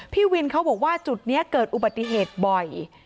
พี่วินเขาบอกว่าจุดนี้เกิดอุบัติเหตุบ่อย